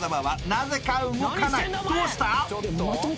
どうした？